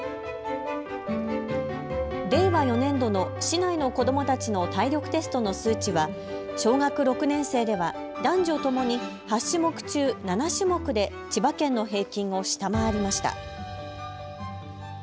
令和４年度の市内の子どもたちの体力テストの数値は小学６年生では男女ともに８種目中７種目で千葉県の平均を下回りました。